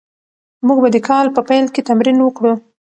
موږ به د کال په پیل کې تمرین وکړو.